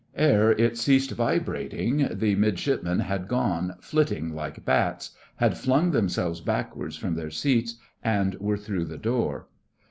Ere it ceased vibrating the Midshipmen had gone, flitting like bats; had flung themselves backwards from their seats, and were through the door.